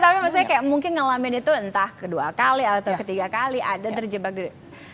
tapi maksudnya kayak mungkin ngalamin itu entah kedua kali atau ketiga kali ada terjebak di